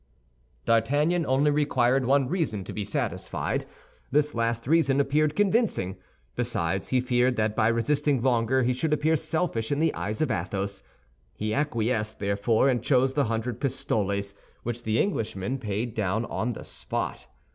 D'Artagnan only required one reason to be satisfied. This last reason appeared convincing. Besides, he feared that by resisting longer he should appear selfish in the eyes of Athos. He acquiesced, therefore, and chose the hundred pistoles, which the Englishman paid down on the spot.